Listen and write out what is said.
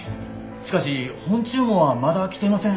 しかし本注文はまだ来てません。